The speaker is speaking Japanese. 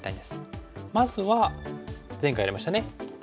まずは前回やりましたね。